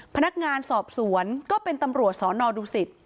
พนักงานสอบสวนก็เป็นตำรวจสอนอดูสิต